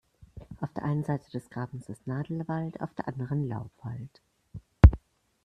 Auf der einen Seite des Grabens ist Nadelwald, auf der anderen Laubwald.